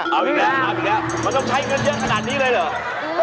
อ้าวนี่แหละมันต้องใช้เงินเยอะขนาดนี้เลยเหรอ